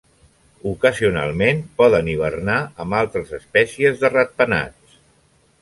Ocasionalment poden hibernar amb altres espècies de ratpenats.